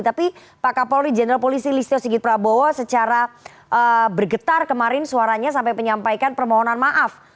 tapi pak kapolri jenderal polisi listio sigit prabowo secara bergetar kemarin suaranya sampai menyampaikan permohonan maaf